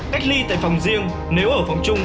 cách ly tại phòng riêng nếu ở phòng chung